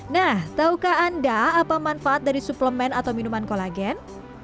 nah tahukah anda apa manfaat dari suplemen atau minuman kolagen